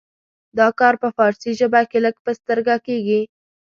دا کار په فارسي ژبه کې لږ په سترګه کیږي.